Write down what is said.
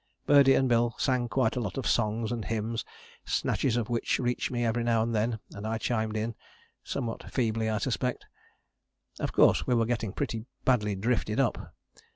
Birdie and Bill sang quite a lot of songs and hymns, snatches of which reached me every now and then, and I chimed in, somewhat feebly I suspect. Of course we were getting pretty badly drifted up.